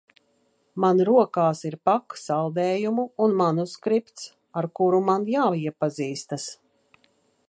Man rokās ir paka saldējumu un manuskripts, ar kuru man jāiepazīstas.